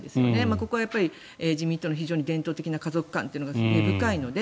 ここは自民党の非常に伝統的な家族観というのが根深いので。